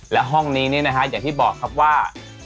และห้องนี้นี่นะฮะอย่างที่บอกครับว่า